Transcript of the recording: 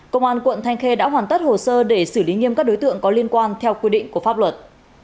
công an quận thanh khê đã hoàn tất hồ sơ để xử lý nghiêm các đối tượng có liên quan theo quy định của pháp luật